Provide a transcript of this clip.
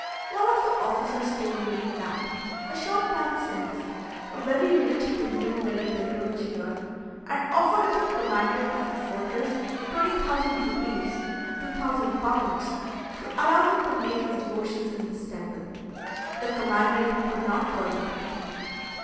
One of the officers told me that, a short time since, a very rich Hindoo made a pilgrimage here, and offered the commandant of the fortress 20,000 rupees (2,000 pounds) to allow him to make his devotions in this temple. The commandant could not permit it.